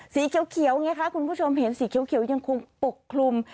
สีเขียวไงคะคุณผู้ชมเห็นสีเขียวยังคงปกคลุม